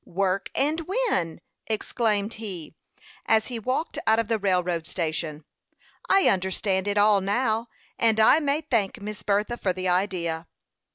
"Work and win!" exclaimed he, as he walked out of the railroad station. "I understand it all now, and I may thank Miss Bertha for the idea."